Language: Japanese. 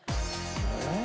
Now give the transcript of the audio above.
えっ？